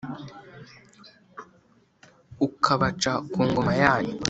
ukabaca ku ngoma yanyu